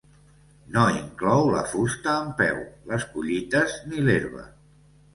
No inclou la fusta en peu, les collites ni l'herba.